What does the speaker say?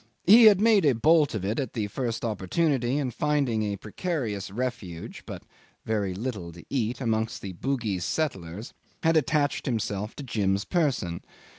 He had made a bolt of it at the first opportunity, and finding a precarious refuge (but very little to eat) amongst the Bugis settlers, had attached himself to Jim's person.